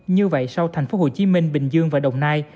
như vậy sau thành phố hồ chí minh bình dương và đồng nai